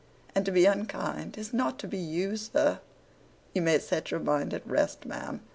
And to be unkind is not to be you, sir.' 'You may set your mind at rest, ma'am.